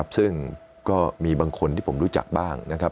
ซึ่งก็มีบางคนที่ผมรู้จักบ้างนะครับ